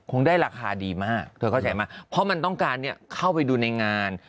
ได้ราคาดีมากเธอเข้าใจมากเพราะมันต้องการเข้าไปดูในงาน